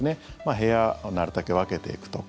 部屋、なるたけ分けていくとか